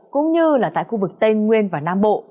cũng như là tại khu vực tây nguyên và nam bộ